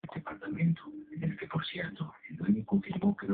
En la falda y valles de las montañas, se puede encontrar pequeños matorrales.